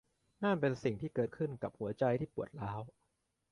นั่นเป็นสิ่งที่เกิดขึ้นกับหัวใจที่ปวดร้าว